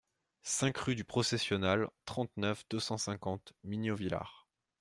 cinq rue du Processionnal, trente-neuf, deux cent cinquante, Mignovillard